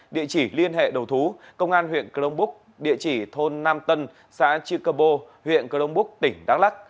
địa chỉ liên hệ đầu thú công an huyện cờ đông búc địa chỉ thôn nam tân xã chư cơ bô huyện cờ đông búc tỉnh đắk lắc